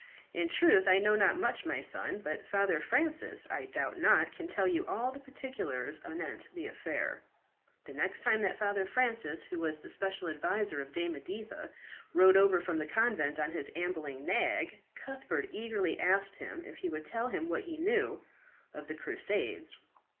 "In truth I know not much, my son; but Father Francis, I doubt not, can tell you all the particulars anent the affair." The next time that Father Francis, who was the special adviser of Dame Editha, rode over from the convent on his ambling nag, Cuthbert eagerly asked him if he would tell him what he knew of the Crusades.